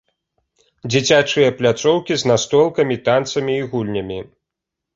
Дзіцячыя пляцоўкі з настолкамі, танцамі і гульнямі.